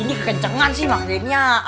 ini kencengan sih maksudnya